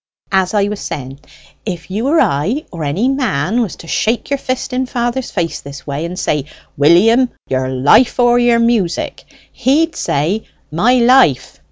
As I was saying, if you or I, or any man, was to shake your fist in father's face this way, and say, 'William, your life or your music!' he'd say, 'My life!'